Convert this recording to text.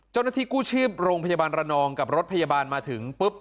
เจ้าหน้าที่กู้ชีพโรงพยาบาลระนองกับรถพยาบาลมาถึงปุ๊บ